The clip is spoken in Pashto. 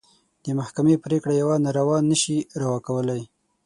د محکمې پرېکړه يوه ناروا نه شي روا کولی.